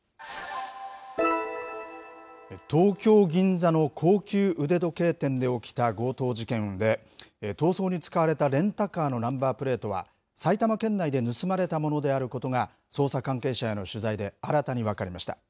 東京・銀座の高級腕時計店で起きた強盗事件で、逃走に使われたレンタカーのナンバープレートは、埼玉県内で盗まれたものであることが、捜査関係者への取材で新たに分かりました。